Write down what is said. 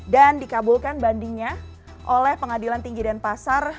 dan dikabulkan bandingnya oleh pengadilan tinggi dan pasar